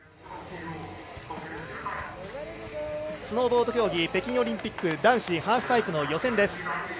スノーボード競技北京オリンピック男子ハーフパイプの予選です。